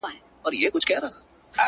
• ځواني مرګ دي سم چي نه به در جارېږم,